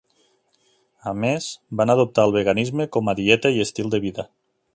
A més, van adoptar el veganisme com a dieta i estil de vida.